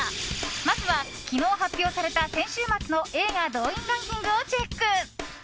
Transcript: まずは昨日発表された先週末の映画動員ランキングをチェック。